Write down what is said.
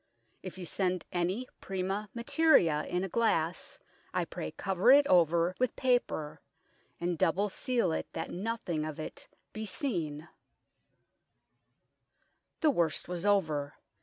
If you send any prima materia in a glasse I pray cover it over with paper, and double seale it that nothing of it bee scene." The worst was over.